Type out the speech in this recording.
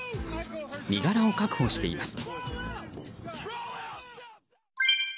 身柄を確保しています。